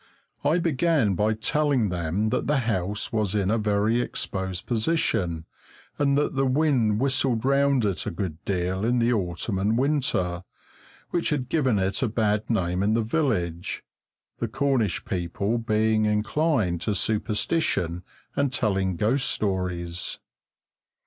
I began by telling them that the house was in a very exposed position, and that the wind whistled round it a good deal in the autumn and winter, which had given it a bad name in the village, the Cornish people being inclined to superstition and telling ghost stories.